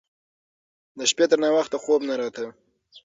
د شپې تر ناوخته خوب نه راته.